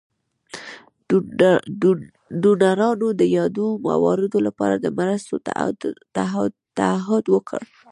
ډونرانو د یادو مواردو لپاره د مرستو تعهد وکړ.